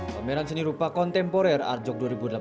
pameran seni rupa kontemporer arjok dua ribu delapan belas